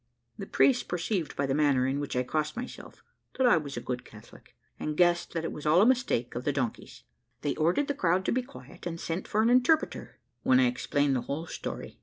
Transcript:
The priests perceived by the manner in which I crossed myself that I was a good Catholic, and guessed that it was all a mistake of the donkey's. They ordered the crowd to be quiet, and sent for an interpreter, when I explained the whole story.